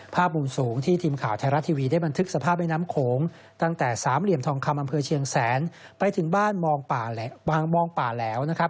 มุมสูงที่ทีมข่าวไทยรัฐทีวีได้บันทึกสภาพแม่น้ำโขงตั้งแต่สามเหลี่ยมทองคำอำเภอเชียงแสนไปถึงบ้านมองบางมองป่าแหลวนะครับ